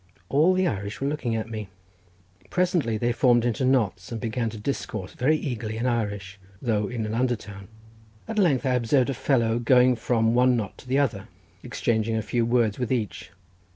All the Irish were looking at me—presently they formed into knots, and began to discourse very eagerly in Irish, though in an under tone. At length I observed a fellow going from one knot to the other, exchanging a few words with each.